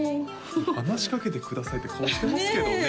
話しかけてくださいって顔してますけどね